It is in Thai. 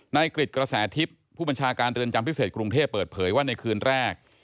กริจกระแสทิพย์ผู้บัญชาการเรือนจำพิเศษกรุงเทพเปิดเผยว่าในคืนแรก